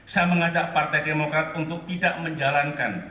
saya mengajak partai demokrat untuk tidak menjalankan